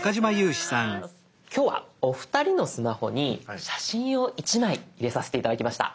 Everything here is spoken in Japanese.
今日はお二人のスマホに写真を１枚入れさせて頂きました。